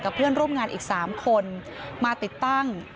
เพื่อนร่วมงานอีก๓คนมาติดตั้ง